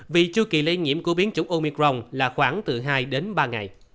vì chưa kỳ lây nhiễm của biến chủng omicron là khoảng từ hai ba ngày